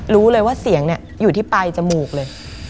รู้เลยว่าเสียงเนี่ยอยู่ที่ปลายจมูกเลย